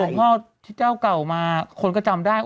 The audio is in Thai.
พ่อที่เจ้าเก่ามาคนก็จำได้